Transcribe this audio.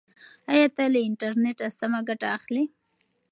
ایا ته له انټرنیټه سمه ګټه اخلې؟